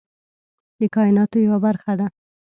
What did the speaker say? د کایناتو یوه برخه ده.